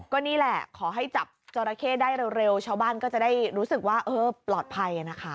ก็นี่แหละขอให้จับจอราเข้ได้เร็วชาวบ้านก็จะได้รู้สึกว่าเออปลอดภัยนะคะ